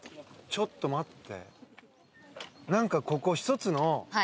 ちょっと待って！